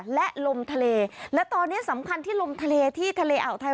และลมทะเลและตอนนี้สำคัญที่ลมทะเลที่ทะเลอ่าวไทย